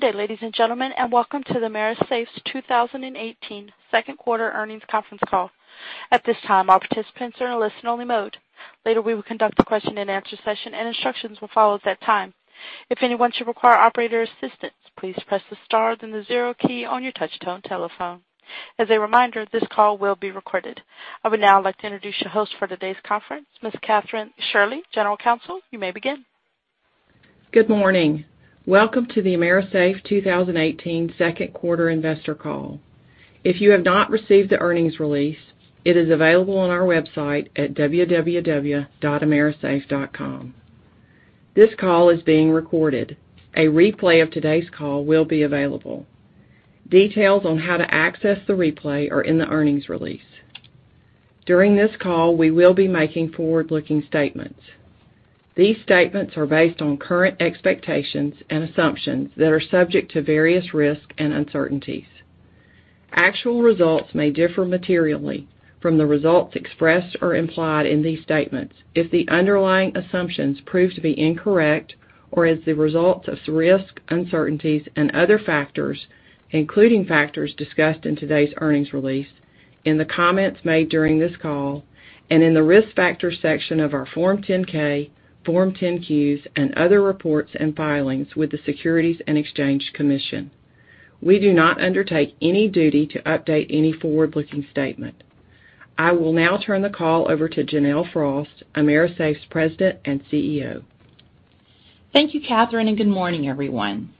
Good day, ladies and gentlemen, and welcome to the AMERISAFE's 2018 second quarter earnings conference call. At this time, all participants are in listen-only mode. Later, we will conduct a question-and-answer session and instructions will follow at that time. If anyone should require operator assistance, please press the star then the zero key on your touchtone telephone. As a reminder, this call will be recorded. I would now like to introduce your host for today's conference, Ms. Kathryn Shirley, General Counsel. You may begin. Good morning. Welcome to the AMERISAFE 2018 second quarter investor call. If you have not received the earnings release, it is available on our website at www.amerisafe.com. This call is being recorded. A replay of today's call will be available. Details on how to access the replay are in the earnings release. During this call, we will be making forward-looking statements. These statements are based on current expectations and assumptions that are subject to various risks and uncertainties. Actual results may differ materially from the results expressed or implied in these statements, if the underlying assumptions prove to be incorrect or as the results of risk uncertainties and other factors, including factors discussed in today's earnings release, in the comments made during this call, and in the risk factors section of our Form 10-K, Form 10-Qs and other reports and filings with the Securities and Exchange Commission. We do not undertake any duty to update any forward-looking statement. I will now turn the call over to Janelle Frost, AMERISAFE's President and Chief Executive Officer. Thank you, Kathryn, and good morning, everyone.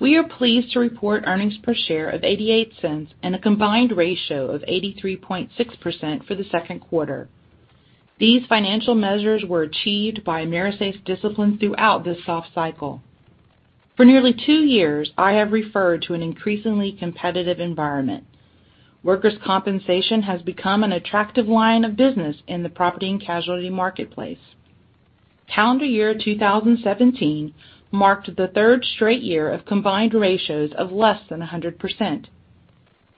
We are pleased to report earnings per share of $0.88 and a combined ratio of 83.6% for the second quarter. These financial measures were achieved by AMERISAFE's discipline throughout this soft cycle. For nearly two years, I have referred to an increasingly competitive environment. Workers' compensation has become an attractive line of business in the property and casualty marketplace. Calendar year 2017 marked the third straight year of combined ratios of less than 100%.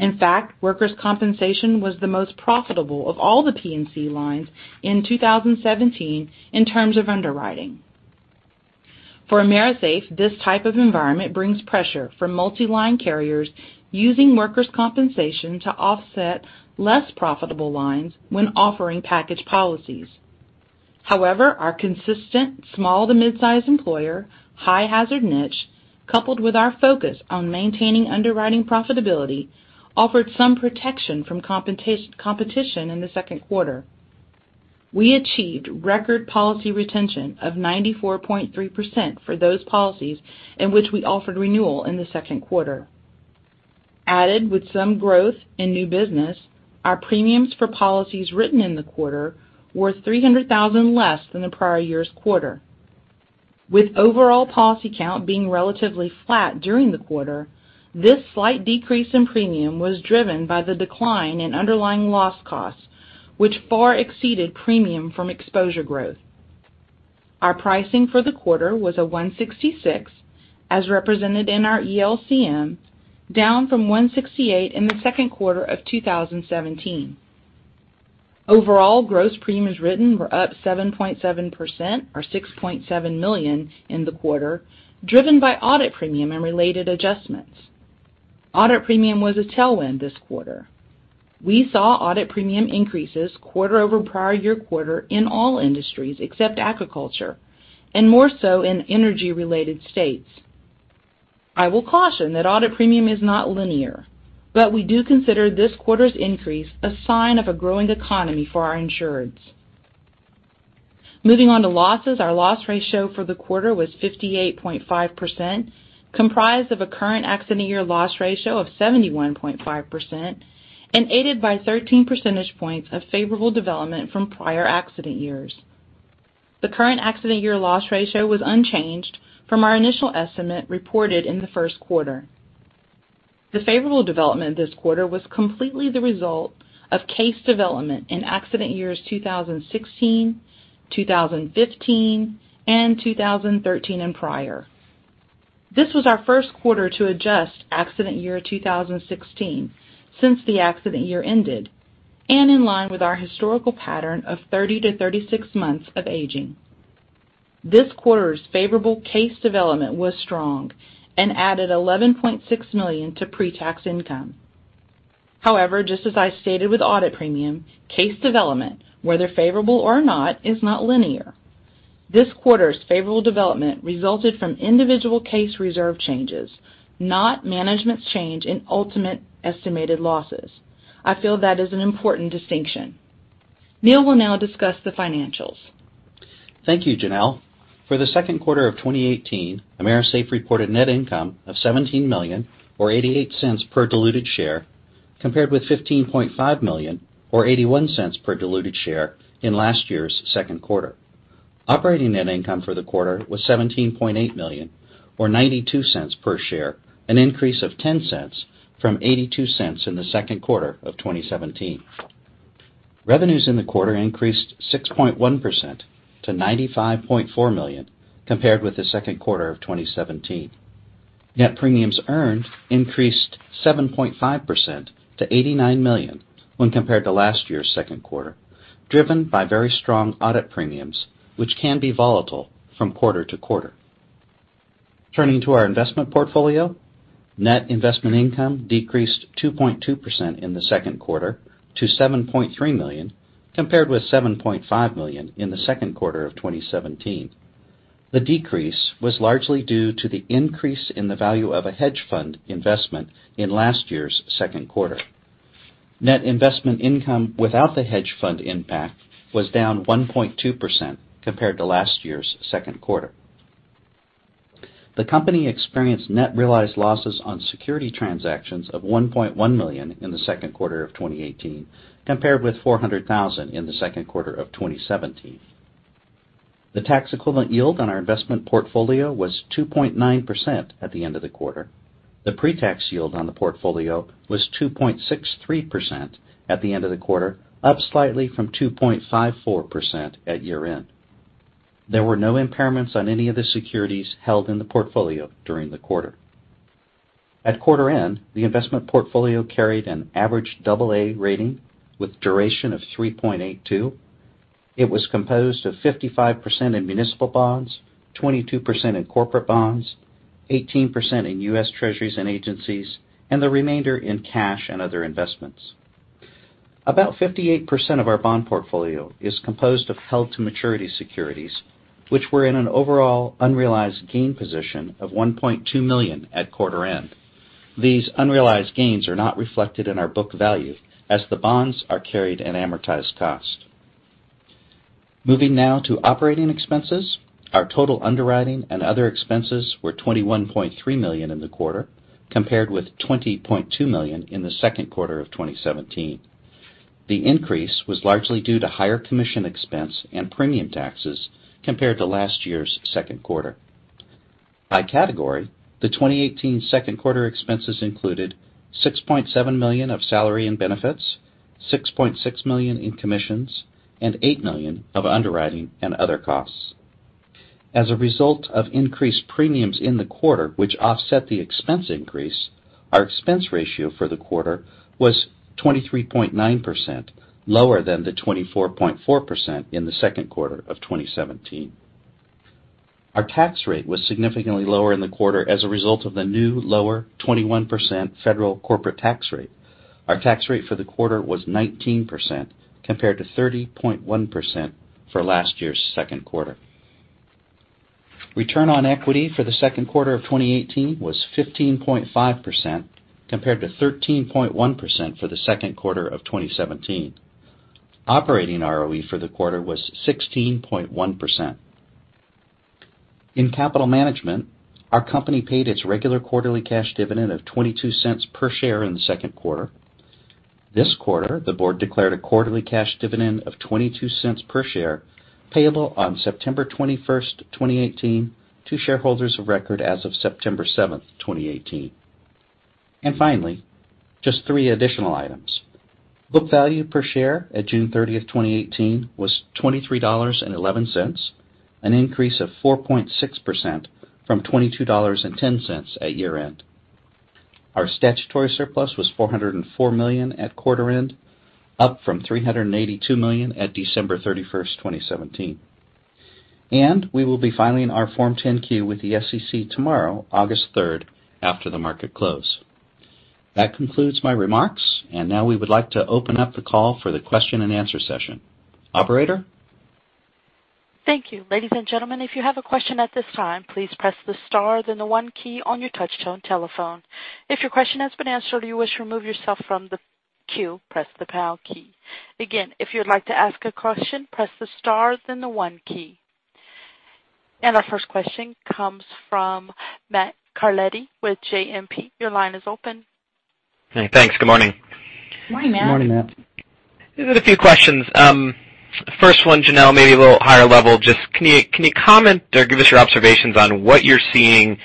In fact, workers' compensation was the most profitable of all the P&C lines in 2017 in terms of underwriting. For AMERISAFE, this type of environment brings pressure for multi-line carriers using workers' compensation to offset less profitable lines when offering package policies. However, our consistent small to mid-size employer, high hazard niche, coupled with our focus on maintaining underwriting profitability, offered some protection from competition in the second quarter. We achieved record policy retention of 94.3% for those policies in which we offered renewal in the second quarter. Added with some growth in new business, our premiums for policies written in the quarter were $300,000 less than the prior year's quarter. With overall policy count being relatively flat during the quarter, this slight decrease in premium was driven by the decline in underlying loss costs, which far exceeded premium from exposure growth. Our pricing for the quarter was 166, as represented in our ELCM, down from 168 in the second quarter of 2017. Overall, gross premiums written were up 7.7%, or $6.7 million in the quarter, driven by audit premium and related adjustments. Audit premium was a tailwind this quarter. We saw audit premium increases quarter over prior year quarter in all industries except agriculture, and more so in energy-related states. I will caution that audit premium is not linear, but we do consider this quarter's increase a sign of a growing economy for our insureds. Moving on to losses, our loss ratio for the quarter was 58.5%, comprised of a current accident year loss ratio of 71.5%, and aided by 13 percentage points of favorable development from prior accident years. The current accident year loss ratio was unchanged from our initial estimate reported in the first quarter. The favorable development this quarter was completely the result of case development in accident years 2016, 2015, and 2013 and prior. This was our first quarter to adjust accident year 2016, since the accident year ended, and in line with our historical pattern of 30-36 months of aging. This quarter's favorable case development was strong and added $11.6 million to pre-tax income. However, just as I stated with audit premium, case development, whether favorable or not, is not linear. This quarter's favorable development resulted from individual case reserve changes, not management's change in ultimate estimated losses. I feel that is an important distinction. Neal will now discuss the financials. Thank you, Janelle. For the second quarter of 2018, AMERISAFE reported net income of $17 million or $0.88 per diluted share, compared with $15.5 million or $0.81 per diluted share in last year's second quarter. Operating net income for the quarter was $17.8 million or $0.92 per share, an increase of $0.10 from $0.82 in the second quarter of 2017. Revenues in the quarter increased 6.1% to $95.4 million compared with the second quarter of 2017. Net premiums earned increased 7.5% to $89 million when compared to last year's second quarter, driven by very strong audit premiums, which can be volatile from quarter to quarter. Turning to our investment portfolio, net investment income decreased 2.2% in the second quarter to $7.3 million, compared with $7.5 million in the second quarter of 2017. The decrease was largely due to the increase in the value of a hedge fund investment in last year's second quarter. Net investment income without the hedge fund impact was down 1.2% compared to last year's second quarter. The company experienced net realized losses on security transactions of $1.1 million in the second quarter of 2018, compared with $400,000 in the second quarter of 2017. The tax equivalent yield on our investment portfolio was 2.9% at the end of the quarter. The pre-tax yield on the portfolio was 2.63% at the end of the quarter, up slightly from 2.54% at year-end. There were no impairments on any of the securities held in the portfolio during the quarter. At quarter-end, the investment portfolio carried an average AA rating with duration of 3.82. It was composed of 55% in municipal bonds, 22% in corporate bonds, 18% in U.S. Treasuries and agencies, the remainder in cash and other investments. About 58% of our bond portfolio is composed of held-to-maturity securities, which were in an overall unrealized gain position of $1.2 million at quarter-end. These unrealized gains are not reflected in our book value as the bonds are carried an amortized cost. Moving now to operating expenses. Our total underwriting and other expenses were $21.3 million in the quarter, compared with $20.2 million in the second quarter of 2017. The increase was largely due to higher commission expense and premium taxes compared to last year's second quarter. By category, the 2018 second quarter expenses included $6.7 million of salary and benefits, $6.6 million in commissions, and $8 million of underwriting and other costs. As a result of increased premiums in the quarter, which offset the expense increase, our expense ratio for the quarter was 23.9%, lower than the 24.4% in the second quarter of 2017. Our tax rate was significantly lower in the quarter as a result of the new lower 21% federal corporate tax rate. Our tax rate for the quarter was 19%, compared to 30.1% for last year's second quarter. Return on equity for the second quarter of 2018 was 15.5%, compared to 13.1% for the second quarter of 2017. Operating ROE for the quarter was 16.1%. In capital management, our company paid its regular quarterly cash dividend of $0.22 per share in the second quarter. This quarter, the board declared a quarterly cash dividend of $0.22 per share, payable on September 21st, 2018, to shareholders of record as of September 7th, 2018. Finally, just three additional items. Book value per share at June 30th, 2018, was $23.11, an increase of 4.6% from $22.10 at year-end. Our statutory surplus was $404 million at quarter-end, up from $382 million at December 31st, 2017. We will be filing our Form 10-Q with the SEC tomorrow, August 3rd, after the market close. That concludes my remarks. Now we would like to open up the call for the question and answer session. Operator? Thank you. Ladies and gentlemen, if you have a question at this time, please press the star then the one key on your touchtone telephone. If your question has been answered or you wish to remove yourself from the queue, press the pound key. Again, if you'd like to ask a question, press the star then the one key. Our first question comes from Matt Carletti with JMP. Your line is open. Hey, thanks. Good morning. Good morning, Matt. Good morning, Matt. A few questions. First one, Janelle, maybe a little higher level. Just can you comment or give us your observations on what you're seeing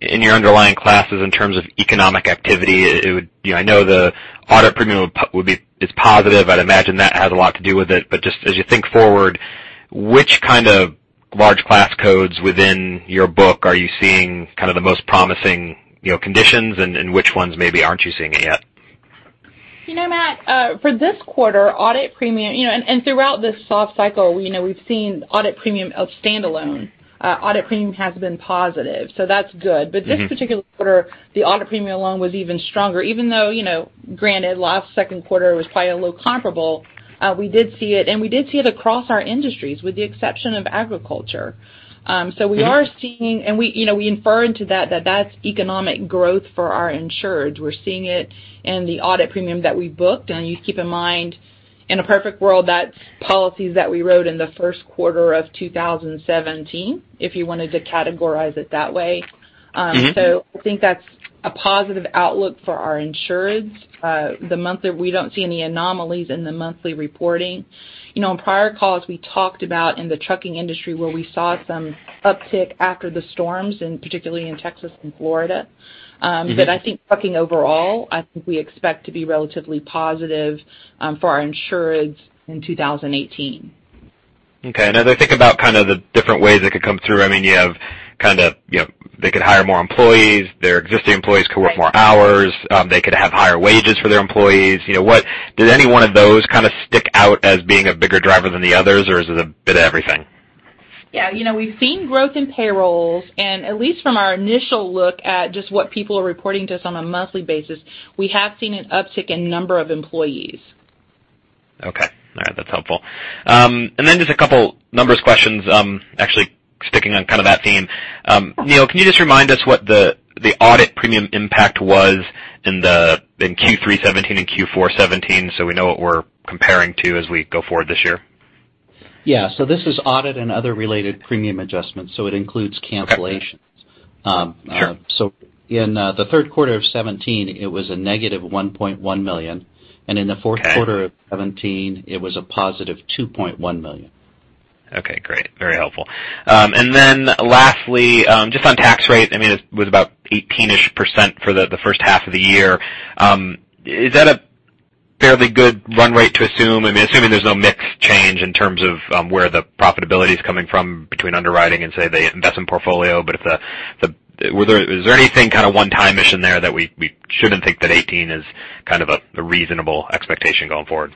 in your underlying classes in terms of economic activity? I know the audit premium is positive. I'd imagine that has a lot to do with it. Just as you think forward, which kind of large class codes within your book are you seeing the most promising conditions and which ones maybe aren't you seeing it yet? Matt, for this quarter, throughout this soft cycle, we've seen audit premium of standalone. Audit premium has been positive, that's good. This particular quarter, the audit premium alone was even stronger, even though, granted, last second quarter was probably a little comparable. We did see it, we did see it across our industries, with the exception of agriculture. We are seeing, we infer into that that's economic growth for our insureds. We're seeing it in the audit premium that we booked. You keep in mind, in a perfect world, that's policies that we wrote in the first quarter of 2017, if you wanted to categorize it that way. I think that's a positive outlook for our insureds. We don't see any anomalies in the monthly reporting. On prior calls, we talked about in the trucking industry where we saw some uptick after the storms, and particularly in Texas and Florida. I think trucking overall, I think we expect to be relatively positive for our insureds in 2018. Okay. As I think about the different ways it could come through, they could hire more employees, their existing employees could work more hours, they could have higher wages for their employees. Did any one of those stick out as being a bigger driver than the others, or is it a bit of everything? Yeah. We've seen growth in payrolls, and at least from our initial look at just what people are reporting to us on a monthly basis, we have seen an uptick in number of employees. Okay. All right. That's helpful. Then just a couple numbers questions, actually sticking on that theme. Neal, can you just remind us what the audit premium impact was in Q3 2017 and Q4 2017 so we know what we're comparing to as we go forward this year? Yeah. This is audit and other related premium adjustments, it includes cancellations. Okay. Sure. In the third quarter of 2017, it was a $-1.1 million, in the fourth quarter- Okay of 2017, it was a $+2.1 million. Okay, great. Very helpful. Then lastly, just on tax rate, it was about 18-ish% for the first half of the year. Is that a fairly good run rate to assume? Assuming there's no mix change in terms of where the profitability's coming from between underwriting and, say, the investment portfolio. Is there anything one-time-ish in there that we shouldn't think that 18% is a reasonable expectation going forward?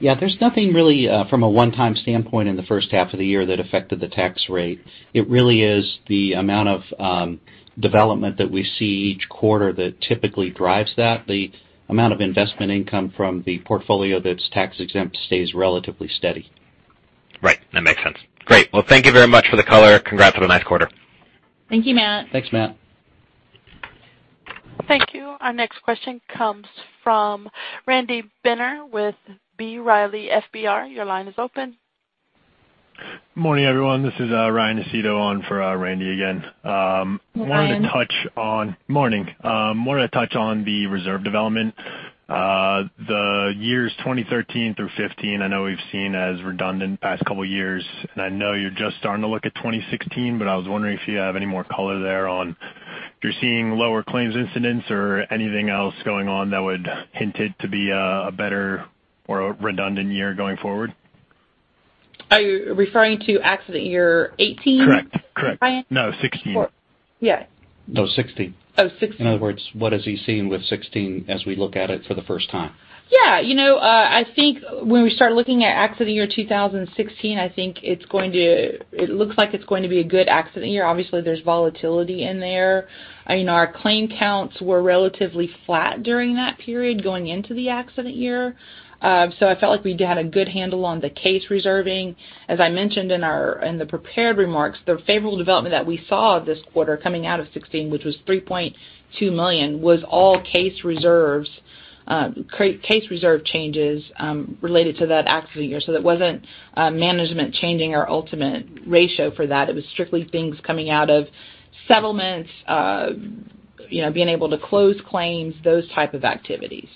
Yeah, there's nothing really from a one-time standpoint in the first half of the year that affected the tax rate. It really is the amount of development that we see each quarter that typically drives that. The amount of investment income from the portfolio that's tax exempt stays relatively steady. Right. That makes sense. Great. Well, thank you very much for the color. Congrats on a nice quarter. Thank you, Matt. Thanks, Matt. Thank you. Our next question comes from Randy Binner with B. Riley FBR. Your line is open. Morning, everyone. This is Ryan Nall on for Randy again. Ryan. Morning. Wanted to touch on the reserve development. The years 2013 through 2015, I know we've seen as redundant past couple years, and I know you're just starting to look at 2016, but I was wondering if you have any more color there on if you're seeing lower claims incidents or anything else going on that would hint it to be a better or a redundant year going forward? Are you referring to accident year 2018? Correct. Ryan? No, 2016. Yes. No, 2016. Oh, 2016. In other words, what is he seeing with 2016 as we look at it for the first time? Yeah. I think when we start looking at accident year 2016, I think it looks like it's going to be a good accident year. Obviously, there's volatility in there. Our claim counts were relatively flat during that period going into the accident year. I felt like we had a good handle on the case reserving. As I mentioned in the prepared remarks, the favorable development that we saw this quarter coming out of 2016, which was $3.2 million, was all case reserve changes related to that accident year. That wasn't management changing our ultimate ratio for that. It was strictly things coming out of settlements, being able to close claims, those type of activities.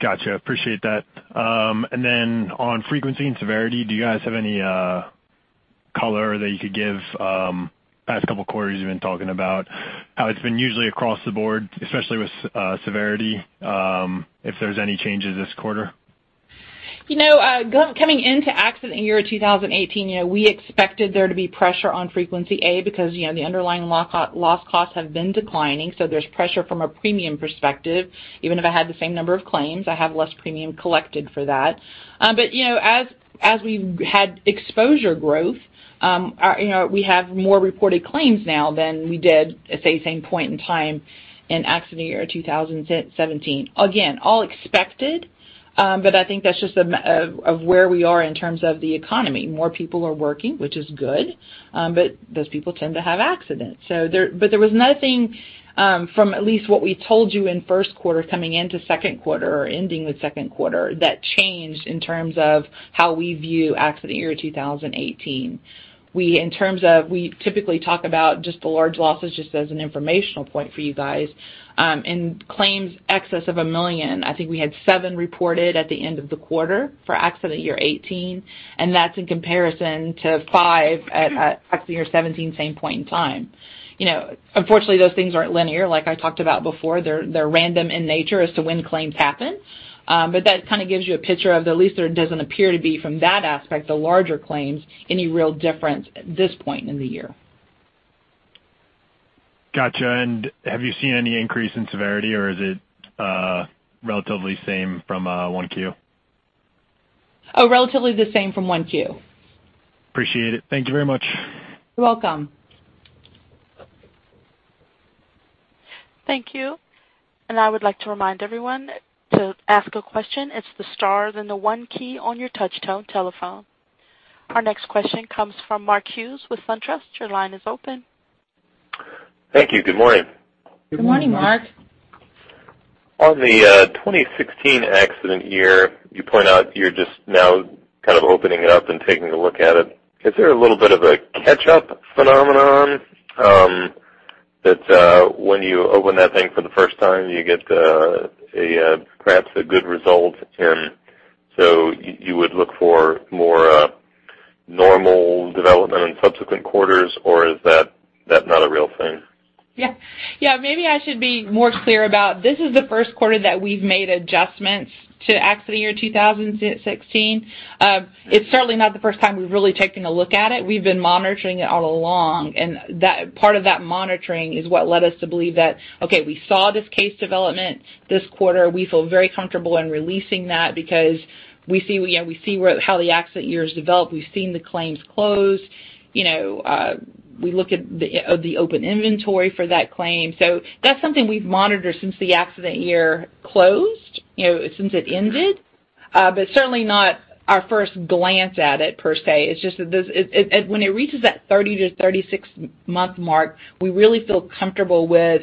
Got you. Appreciate that. On frequency and severity, do you guys have any color that you could give? Past couple of quarters, you've been talking about how it's been usually across the board, especially with severity, if there's any changes this quarter. Coming into accident year 2018, we expected there to be pressure on frequency because the underlying loss costs have been declining, there's pressure from a premium perspective. Even if I had the same number of claims, I have less premium collected for that. As we've had exposure growth, we have more reported claims now than we did at, say, the same point in time in accident year 2017. Again, all expected, I think that's just of where we are in terms of the economy. More people are working, which is good. Those people tend to have accidents. There was nothing, from at least what we told you in first quarter coming into second quarter or ending with second quarter, that changed in terms of how we view accident year 2018. We typically talk about just the large losses just as an informational point for you guys. In claims excess of $1 million, I think we had seven reported at the end of the quarter for accident year 2018, and that's in comparison to five at accident year 2017, same point in time. Unfortunately, those things aren't linear, like I talked about before. They're random in nature as to when claims happen. That kind of gives you a picture of at least there doesn't appear to be from that aspect, the larger claims, any real difference at this point in the year. Got you. Have you seen any increase in severity, or is it relatively same from 1Q? Relatively the same from 1Q. Appreciate it. Thank you very much. You're welcome. Thank you. I would like to remind everyone to ask a question, it's the star then the one key on your touch tone telephone. Our next question comes from Mark Hughes with SunTrust. Your line is open. Thank you. Good morning. Good morning, Mark. Good morning. On the 2016 accident year, you point out you're just now kind of opening it up and taking a look at it. Is there a little bit of a catch-up phenomenon that when you open that thing for the first time, you get perhaps a good result, and so you would look for more normal development in subsequent quarters, or is that not a real thing? Yeah. Maybe I should be more clear about this is the first quarter that we've made adjustments to accident year 2016. It's certainly not the first time we've really taken a look at it. We've been monitoring it all along, and part of that monitoring is what led us to believe that, okay, we saw this case development this quarter. We feel very comfortable in releasing that because we see how the accident years develop. We've seen the claims close. We look at the open inventory for that claim. That's something we've monitored since the accident year closed, since it ended. Certainly not our first glance at it, per se. It's just that when it reaches that 30-36-month mark, we really feel comfortable with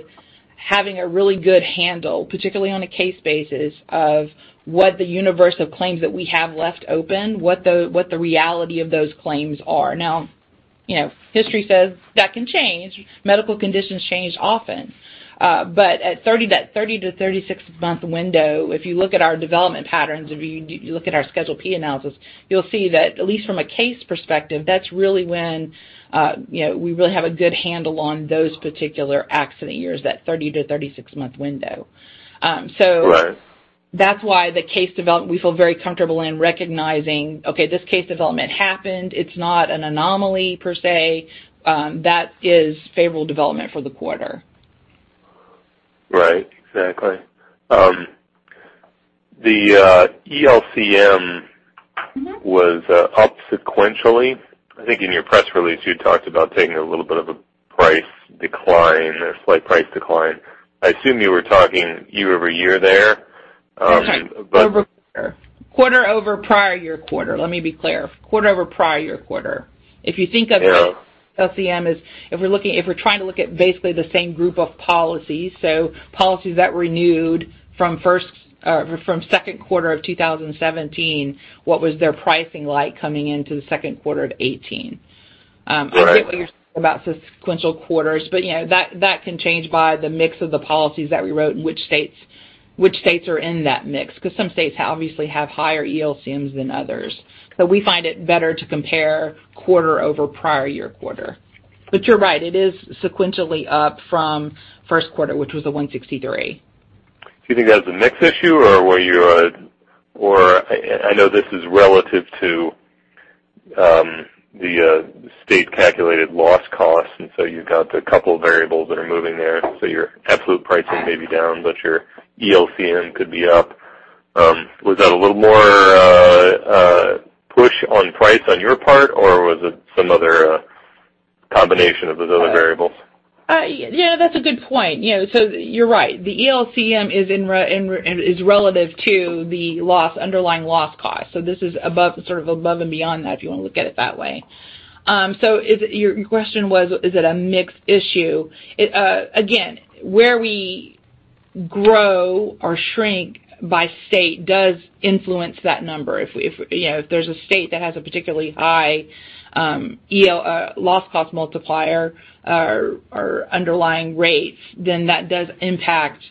having a really good handle, particularly on a case basis, of what the universe of claims that we have left open, what the reality of those claims are. Now, history says that can change. Medical conditions change often. At 30-36-month window, if you look at our development patterns, if you look at our Schedule P analysis, you'll see that at least from a case perspective, that's really when we really have a good handle on those particular accident years, that 30-36-month window. Right. That's why the case development, we feel very comfortable in recognizing, okay, this case development happened. It's not an anomaly per se. That is favorable development for the quarter. Right. Exactly. The ELCM was up sequentially. I think in your press release, you talked about taking a little bit of a price decline, a slight price decline. I assume you were talking year-over-year there. Quarter over prior year quarter. Let me be clear. Quarter over prior year quarter. If you think of ELCM as if we're trying to look at basically the same group of policies that renewed from second quarter of 2017, what was their pricing like coming into the second quarter of 2018? Right. I get what you're saying about sequential quarters, that can change by the mix of the policies that we wrote and which states are in that mix, because some states obviously have higher ELCMs than others. We find it better to compare quarter over prior year quarter. You're right, it is sequentially up from first quarter, which was a 163. Do you think that was a mix issue, or I know this is relative to the state-calculated loss cost, you've got the couple of variables that are moving there. Your absolute pricing may be down, your ELCM could be up. Was that a little more push on price on your part, or was it some other combination of those other variables? That's a good point. You're right. The ELCM is relative to the underlying loss cost. This is above and beyond that, if you want to look at it that way. Your question was, is it a mix issue? Again, where we grow or shrink by state does influence that number. If there's a state that has a particularly high loss cost multiplier or underlying rates, that does impact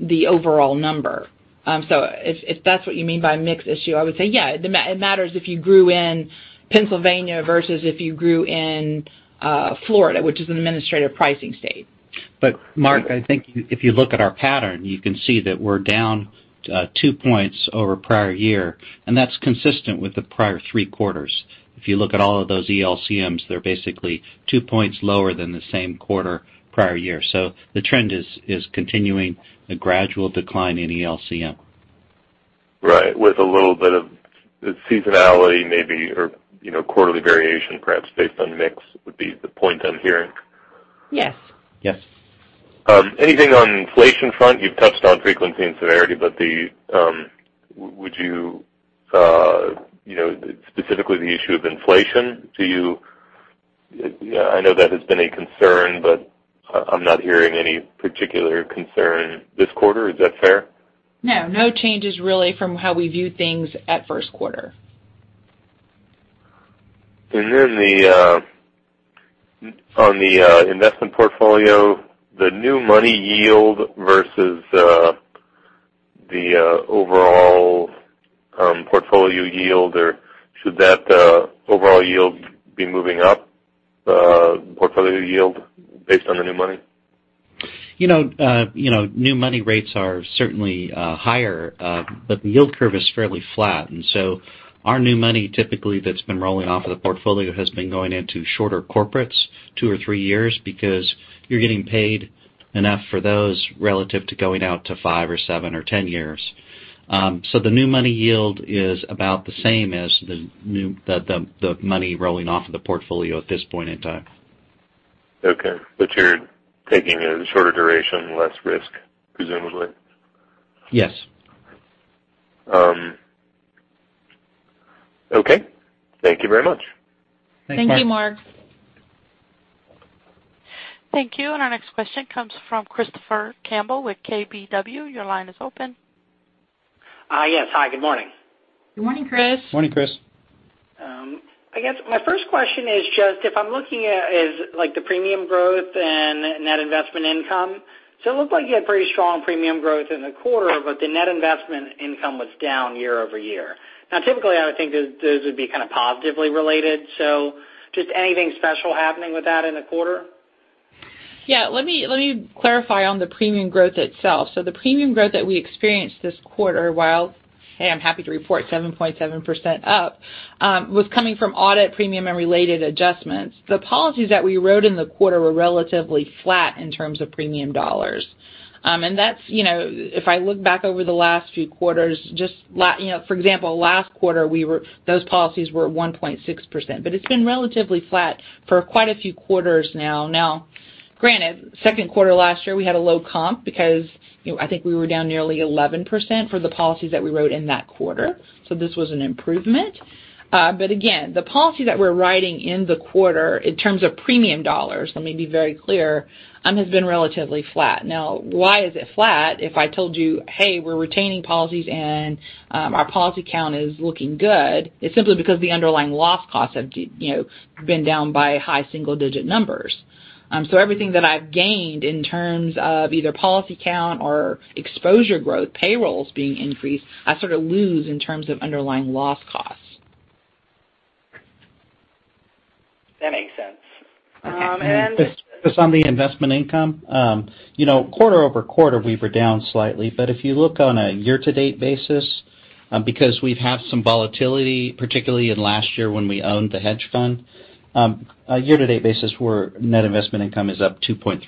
the overall number. If that's what you mean by mix issue, I would say yeah, it matters if you grew in Pennsylvania versus if you grew in Florida, which is an administrative pricing state. Mark, I think if you look at our pattern, you can see that we're down two points over prior year, and that's consistent with the prior three quarters. If you look at all of those ELCMs, they're basically two points lower than the same quarter prior year. The trend is continuing a gradual decline in ELCM. Right. With a little bit of seasonality maybe, or quarterly variation, perhaps based on mix, would be the point I'm hearing. Yes. Yes. Anything on the inflation front? You've touched on frequency and severity. Specifically the issue of inflation. I know that has been a concern, but I'm not hearing any particular concern this quarter. Is that fair? No. No changes really from how we view things at first quarter. On the investment portfolio, the new money yield versus the overall portfolio yield, or should that overall yield be moving up, portfolio yield based on the new money? New money rates are certainly higher. The yield curve is fairly flat, our new money typically that's been rolling off of the portfolio has been going into shorter corporates, two or three years, because you're getting paid enough for those relative to going out to five or seven or 10 years. The new money yield is about the same as the money rolling off of the portfolio at this point in time. Okay. You're taking a shorter duration, less risk, presumably? Yes. Okay. Thank you very much. Thank you, Mark. Thanks, Mark. Thank you. Our next question comes from Christopher Campbell with KBW. Your line is open. Yes. Hi, good morning. Good morning, Chris. Morning, Chris. I guess my first question is just if I'm looking at is like the premium growth and net investment income. It looked like you had pretty strong premium growth in the quarter, but the net investment income was down year-over-year. Typically, I would think those would be kind of positively related, so just anything special happening with that in the quarter? Yeah. Let me clarify on the premium growth itself. The premium growth that we experienced this quarter, while, hey, I'm happy to report 7.7% up, was coming from audit premium and related adjustments. The policies that we wrote in the quarter were relatively flat in terms of premium dollars. If I look back over the last few quarters, for example, last quarter, those policies were 1.6%, but it's been relatively flat for quite a few quarters now. Granted, second quarter last year, we had a low comp because I think we were down nearly 11% for the policies that we wrote in that quarter, so this was an improvement. Again, the policy that we're writing in the quarter in terms of premium dollars, let me be very clear, has been relatively flat. Why is it flat? If I told you, hey, we're retaining policies and our policy count is looking good, it's simply because the underlying loss costs have been down by high single-digit numbers. Everything that I've gained in terms of either policy count or exposure growth, payrolls being increased, I sort of lose in terms of underlying loss costs. That makes sense. And- Just on the investment income. Quarter-over-quarter, we were down slightly. If you look on a year-to-date basis, because we've had some volatility, particularly in last year when we owned the hedge fund, a year-to-date basis, net investment income is up 2.3%.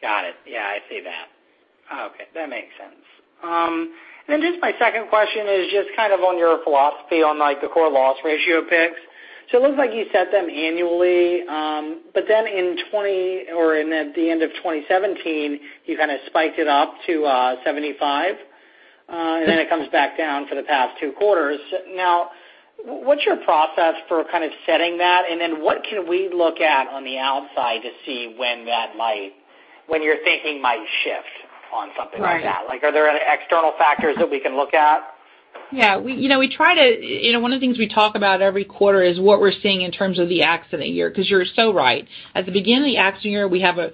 Got it. Yeah, I see that. Okay, that makes sense. Just my second question is just kind of on your philosophy on the core loss ratio picks. It looks like you set them annually, but then at the end of 2017, you kind of spiked it up to 75%, and then it comes back down for the past two quarters. What's your process for kind of setting that, and then what can we look at on the outside to see when your thinking might shift on something like that? Right. Are there any external factors that we can look at? Yeah. One of the things we talk about every quarter is what we're seeing in terms of the accident year. You're so right. At the beginning of the accident year, we have a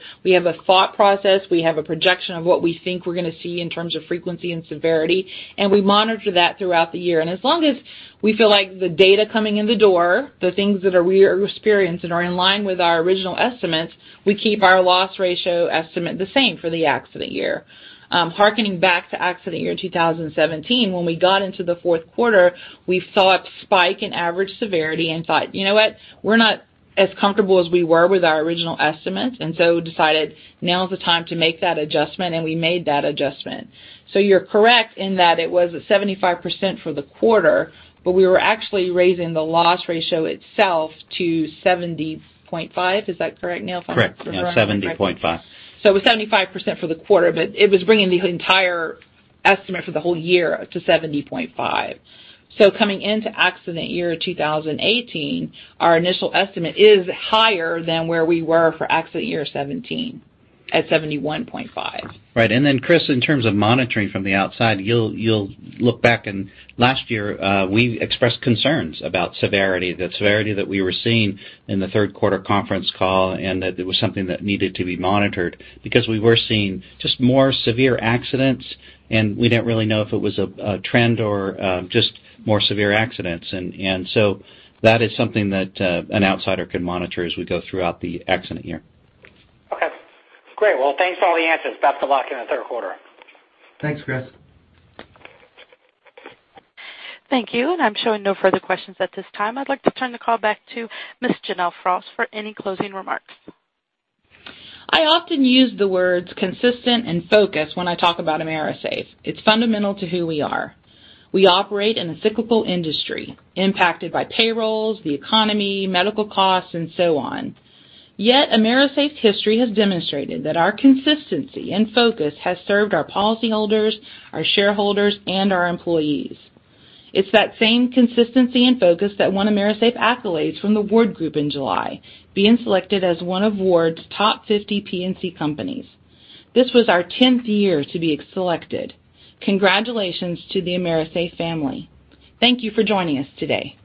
thought process. We have a projection of what we think we're going to see in terms of frequency and severity, and we monitor that throughout the year. As long as we feel like the data coming in the door, the things that we are experiencing are in line with our original estimates, we keep our loss ratio estimate the same for the accident year. Harkening back to accident year 2017, when we got into the fourth quarter, we saw a spike in average severity and thought, you know what? We're not as comfortable as we were with our original estimates, we decided now is the time to make that adjustment, and we made that adjustment. You're correct in that it was at 75% for the quarter, but we were actually raising the loss ratio itself to 70.5%. Is that correct, Neal? Correct. Yeah, 70.5%. It was 75% for the quarter, but it was bringing the entire estimate for the whole year to 70.5%. Coming into accident year 2018, our initial estimate is higher than where we were for accident year 2017 at 71.5%. Right. Chris, in terms of monitoring from the outside, you'll look back in last year, we expressed concerns about severity, the severity that we were seeing in the third quarter conference call, and that it was something that needed to be monitored because we were seeing just more severe accidents, and we didn't really know if it was a trend or just more severe accidents. That is something that an outsider could monitor as we go throughout the accident year. Okay. Great. Well, thanks for all the answers. Best of luck in the third quarter. Thanks, Chris. Thank you. I'm showing no further questions at this time. I'd like to turn the call back to Ms. Janelle Frost for any closing remarks. I often use the words consistent and focus when I talk about AMERISAFE. It's fundamental to who we are. We operate in a cyclical industry impacted by payrolls, the economy, medical costs, and so on. Yet, AMERISAFE's history has demonstrated that our consistency and focus has served our policyholders, our shareholders, and our employees. It's that same consistency and focus that won AMERISAFE accolades from the Ward Group in July, being selected as one of Ward's top 50 P&C companies. This was our tenth year to be selected. Congratulations to the AMERISAFE family. Thank you for joining us today.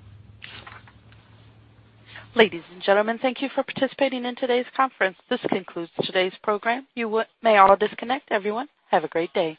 Ladies and gentlemen, thank you for participating in today's conference. This concludes today's program. You may all disconnect. Everyone, have a great day.